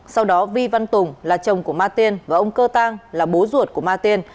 sau đó vi văn tùng là chồng của ma tiên và ông cơ tăng là bố ruột của ma tiên